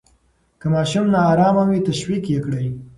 که ماشوم نا آرامه وي، تشویق یې کړئ.